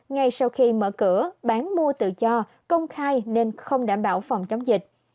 ngay sau khi mở cửa bán mua tự do công khai nên không đảm bảo phòng chống dịch